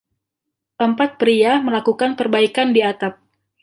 Empat pria melakukan perbaikan di atap.